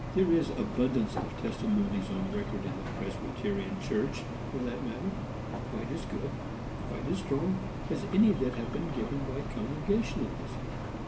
There is abundance of testimonies on record in the Presbyterian Church, for that matter, quite as good and quite as strong as any that have been given by Congregationalism.